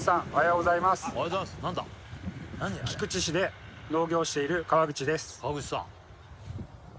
菊池市で農業をしている川口です